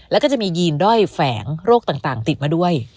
แล้วก็จะมียีนด้อยแฝงโรคต่างติดมาด้วย